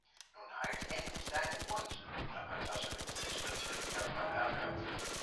Nun halt endlich deinen Mund, du Plappertasche, zischte Silvia verärgert.